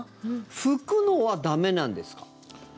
拭くのは駄目なんですか。